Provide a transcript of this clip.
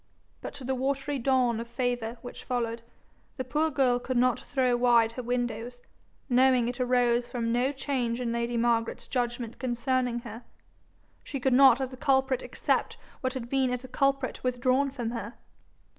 But to the watery dawn of favour which followed, the poor girl could not throw wide her windows, knowing it arose from no change in lady Margaret's judgment concerning her: she could not as a culprit accept what had been as a culprit withdrawn from her.